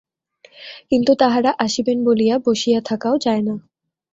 কিন্তু তাঁহারা আসিবেন বলিয়া বসিয়া থাকাও যায় না।